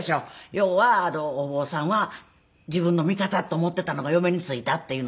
要はお坊さんは自分の味方やと思っていたのが嫁についたっていうので。